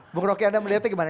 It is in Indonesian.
bukroki anda melihatnya gimana